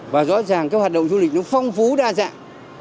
và rõ ràng cái hoạt động du lịch nó phong phú đa dạng